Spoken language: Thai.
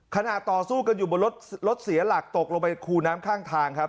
ต่อสู้กันอยู่บนรถรถเสียหลักตกลงไปคูน้ำข้างทางครับ